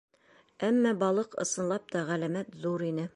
Әммә балыҡ ысынлап та ғәләмәт ҙур ине.